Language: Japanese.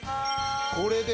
これで。